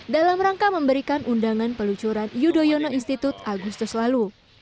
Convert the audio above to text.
dalam rangka memberikan undangan peluncuran yudhoyono institut agustus lalu